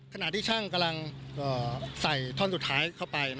ขณะที่ช่างกำลังใส่ท่อนสุดท้ายเข้าไป